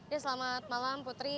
ya selamat malam putri